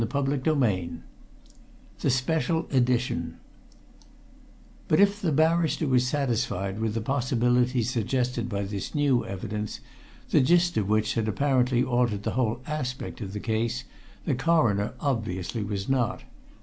CHAPTER XV THE SPECIAL EDITION But if the barrister was satisfied with the possibilities suggested by this new evidence, the gist of which had apparently altered the whole aspect of the case, the Coroner obviously was not.